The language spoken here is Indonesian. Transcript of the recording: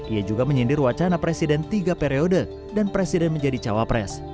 ia juga menyindir wacana presiden tiga periode dan presiden menjadi cawapres